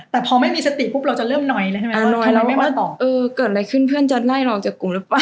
แต่พอไม่มีสติปุ๊บเราจะเริ่มหน่อยเลยใช่ไหมว่าเกิดอะไรขึ้นเพื่อนจะไล่เราจากกลุ่มหรือเปล่า